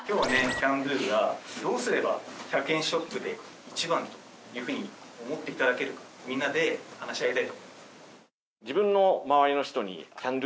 キャンドゥがどうすれば１００円ショップで一番というふうに思って頂けるかみんなで話し合いたいと思います。